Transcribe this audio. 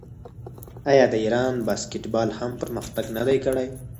آیا د ایران باسکیټبال هم پرمختګ نه دی کړی؟